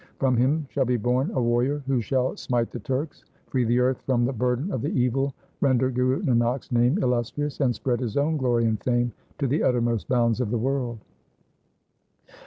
From him shall be born a warrior who shall smite the Turks, free the earth from the burden of the evil, render Guru Nanak's name illustrious, and spread his own glory and fame to the uttermost bounds of the world.'